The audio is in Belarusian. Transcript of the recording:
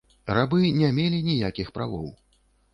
Рабы не мелі ніякіх правоў.